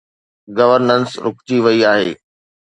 Governance رڪجي وئي آهي.